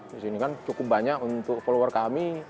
di sini kan cukup banyak untuk follower kami